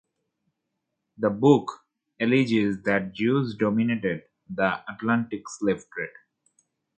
The book alleges that Jews dominated the Atlantic slave trade.